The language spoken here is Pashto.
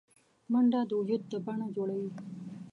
منډه د وجود د بڼه جوړوي